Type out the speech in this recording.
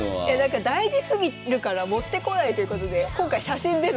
大事すぎるから持ってこないということで今回写真での。